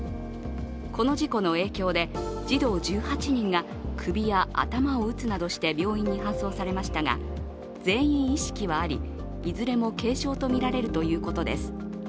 この事故の影響で児童１８人が首や頭を打つなどして病院に搬送されましたが全員意識はあり、いずれも軽傷とみられるということです。